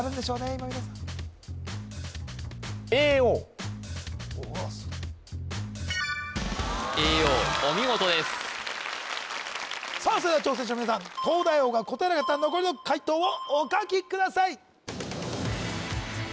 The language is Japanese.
色々「叡王」お見事ですさあそれでは挑戦者の皆さん東大王が答えられなかった残りの解答をお書きください